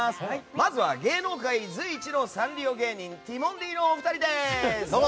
まずは芸能界随一のサンリオ芸人ティモンディの前田と。